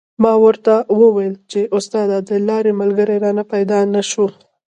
ما ورته و ویل چې استاده د لارې ملګری رانه پیدا نه شو.